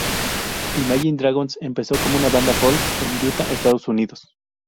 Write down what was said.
Imagine Dragons empezó como una banda folk en Utah, Estados Unidos.